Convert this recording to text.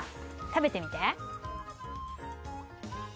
食べてみて。